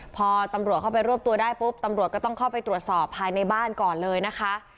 พอตำรวจเข้าไปรวบตัวได้ปุ๊บตำรวจก็ต้องเข้าไปตรวจสอบภายในบ้านก่อนเลยนะคะ